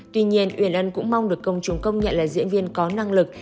tuy nhiên uyển ân cũng mong được công chúng công nhận là diễn viên có năng lực